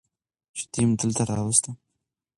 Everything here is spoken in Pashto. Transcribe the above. چې دوي مې دلته راوستي.